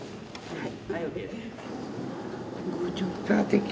はい。